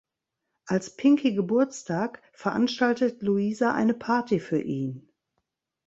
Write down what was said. Als Pinky Geburtstag veranstaltet Louisa eine Party für ihn.